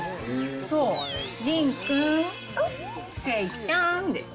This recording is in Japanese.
そう、じんくんと、せいちゃんで。